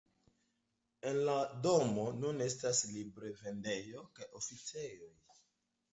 En la domo nun estas librovendejo kaj oficejoj.